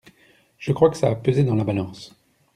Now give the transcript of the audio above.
je crois que ça a pesé dans la balance.